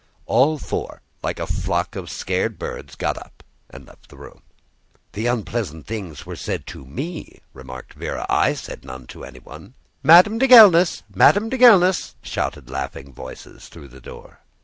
All four, like a flock of scared birds, got up and left the room. "The unpleasant things were said to me," remarked Véra, "I said none to anyone." "Madame de Genlis! Madame de Genlis!" shouted laughing voices through the door.